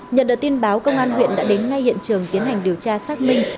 nhận được tin báo công an huyện đã đến ngay hiện trường tiến hành điều tra xác minh